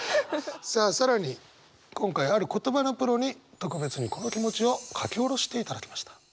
さあ更に今回はある言葉のプロに特別にこの気持ちを書き下ろしていただきました。